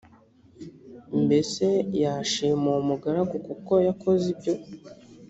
mbese yashima uwo mugaragu kuko yakoze ibyo